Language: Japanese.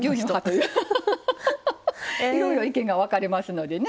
いろいろ意見が分かれますのでね。